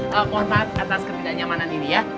mohon maaf atas ketidaknyamanan ini ya